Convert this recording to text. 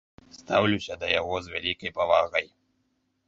Стаўлюся да яго з вялікай павагай.